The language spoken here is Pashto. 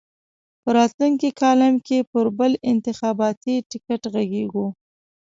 په راتلونکي کالم کې پر بل انتخاباتي ټکټ غږېږو.